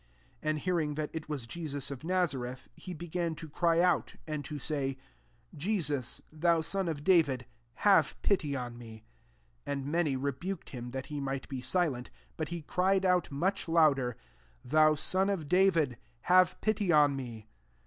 47 And hear ing that it was Jesus of Naza ^ reth,^he began to cry out« and to say, << Jesus, thou son of David, have pity on me.'' 48 And many rebuked him, that he might be silent: but he cried out much louder, <^ Thou son of David, have pity on me."